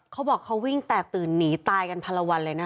เขาบอกเขาวิ่งแตกตื่นหนีตายกันพันละวันเลยนะคะ